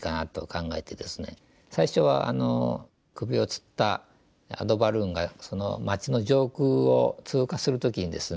最初は首を吊ったアドバルーンがその町の上空を通過する時にですね